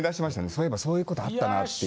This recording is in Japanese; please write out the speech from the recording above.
そういえばそういうことあったなっていう。